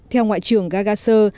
theo ngoại trưởng gagasar